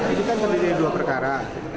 ini kan terdiri dua perkara